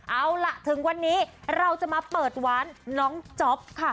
เอาล่ะถึงวันนี้เราจะมาเปิดวานน้องจ๊อปค่ะ